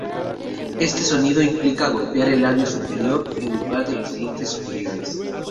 Este sonido implica golpear el labio superior en lugar de los dientes superiores.